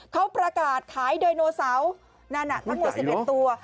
เขาประกาศขายโดยโนเซานั่นน่ะทั้งหมด๑๑ตัว